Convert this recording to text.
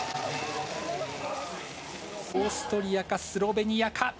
オーストリアかスロベニアか。